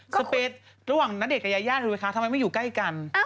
สเปสระหว่างณเดชนกับยายาถูกไหมคะทำไมไม่อยู่ใกล้กัน